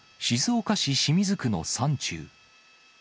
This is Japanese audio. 静岡市清水区の山中。